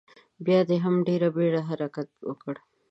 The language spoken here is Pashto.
بیا دې په ډیره بیړه حرکت وکړي.